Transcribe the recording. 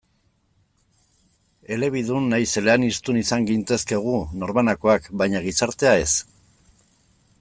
Elebidun nahiz eleaniztun izan gintezke gu, norbanakoak, baina gizartea, ez.